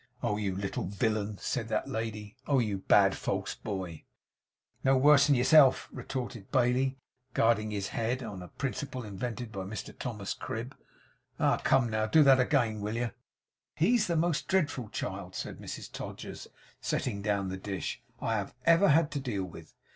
'Oh you little villain!' said that lady. 'Oh you bad, false boy!' 'No worse than yerself,' retorted Bailey, guarding his head, on a principle invented by Mr Thomas Cribb. 'Ah! Come now! Do that again, will yer?' 'He's the most dreadful child,' said Mrs Todgers, setting down the dish, 'I ever had to deal with.